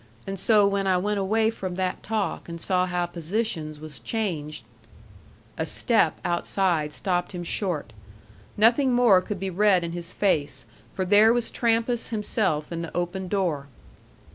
And so when I went away from that talk and saw how positions was changed " A step outside stopped him short. Nothing more could be read in his face, for there was Trampas himself in the open door.